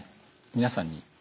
皆さんに。